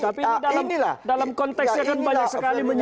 tapi dalam konteks